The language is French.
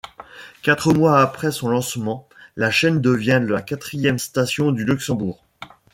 Quatre mois après son lancement, la chaîne devient la quatrième station du Luxembourg.